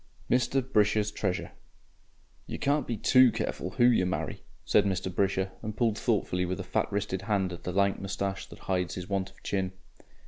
11. MR. BRISHER'S TREASURE "You can't be TOO careful WHO you marry," said Mr. Brisher, and pulled thoughtfully with a fat wristed hand at the lank moustache that hides his want of chin.